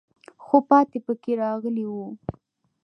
خو پاتې پکې راغلی وو.